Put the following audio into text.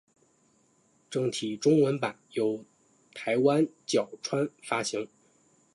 正体中文版由台湾角川发行。